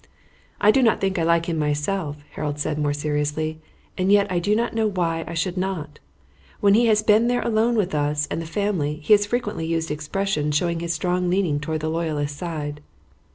"I do not think I like him myself," Harold said more seriously; "and yet I do not know why I should not. When he has been there alone with us and the family, he has frequently used expressions showing his strong leaning toward the loyalists' side."